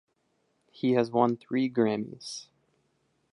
He has won three Grammys.